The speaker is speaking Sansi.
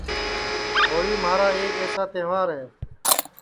ہوݪی مھارا ایک ایسا تہوار ہے